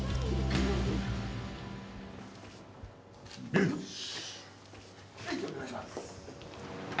よし！